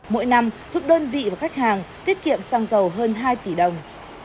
mỗi năm giúp đơn vị và khách hàng tiết kiệm sang giàu hơn hai tỷ đồng